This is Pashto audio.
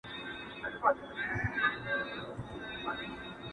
صوفي سمدستي شروع په نصیحت سو!!